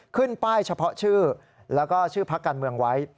ขึ้นป้ายเฉพาะชื่อแล้วก็ชื่อพักการเมืองไว้